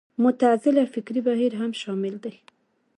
معتزله فکري بهیر هم شامل دی